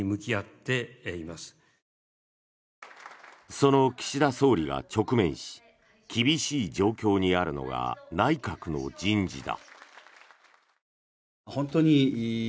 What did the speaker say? その岸田総理が直面し厳しい状況にあるのが内閣の人事だ。